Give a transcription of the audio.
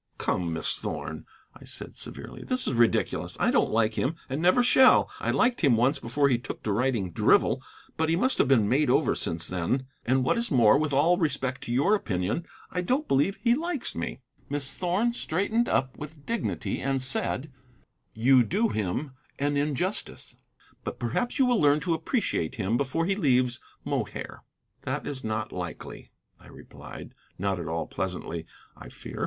"Come, Miss Thorn," I said severely, "this is ridiculous. I don't like him, and never shall. I liked him once, before he took to writing drivel. But he must have been made over since then. And what is more, with all respect to your opinion, I don't believe he likes me." Miss Thorn straightened up with dignity and said: "You do him an injustice. But perhaps you will learn to appreciate him before he leaves Mohair." "That is not likely," I replied not at all pleasantly, I fear.